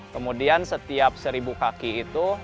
kemudian setiap seribu kaki itu